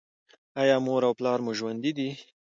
ایا مور او پلار مو ژوندي دي؟